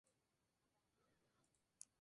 Se divide en tres tramos.